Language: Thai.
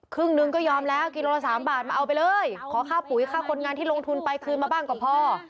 ครึ่งหนึ่งก็ยอมแล้วกิโลละสามบาทมาเอาไปเลยขอค่าปุ๋ยค่าคนงานที่ลงทุนไปคืนมาบ้างก็พอ